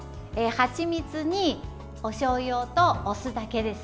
はちみつにおしょうゆとお酢だけです。